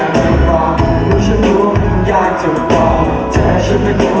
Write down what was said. แต่แม้ใครได้ฉันหน่อยธรรมดาแต่ฉันจะเก็บเธอไว้ไฟ